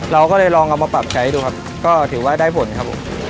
เราก็เลยลองเอามาปรับใช้ดูครับก็ถือว่าได้ผลครับผม